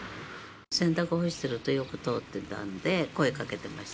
洗濯干してるとよく通ってたので、声かけてました。